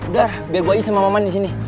dar biar gue bisa sama maman disini